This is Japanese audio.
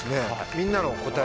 みんなの答え